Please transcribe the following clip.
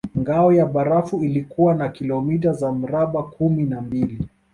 Ngao ya barafu ilikuwa na kilomita za mraba kumi na mbili